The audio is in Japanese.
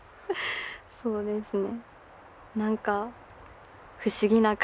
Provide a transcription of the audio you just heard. そうですね